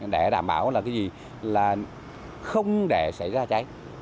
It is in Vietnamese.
để đảm bảo là cái gì là không để xảy ra cháy